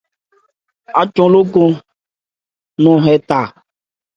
Ácɔn lókɔn nɔn ɛ tha.